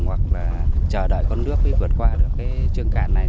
hoặc là chờ đợi con nước mới vượt qua được cái trường cạn này